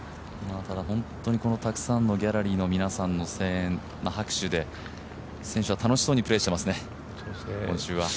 たくさんのギャラリーの皆さんの声援、拍手で選手は楽しそうにプレーしてますね、今週は。